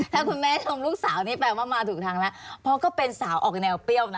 ถ้าคุณแม่ชมลูกสาวนี่แปลว่ามาถูกทางแล้วเพราะก็เป็นสาวออกแนวเปรี้ยวนะ